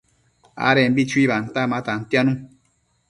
adembi chuibanta ma tantianu